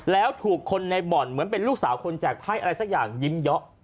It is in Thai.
แล้วถูกคนในบ่อนเหมือนเป็นลูกสาวคนแจกไพ่อะไรสักอย่างยิ้มเยาะ